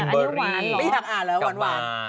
ไม่อยากอ่านแล้วหวาน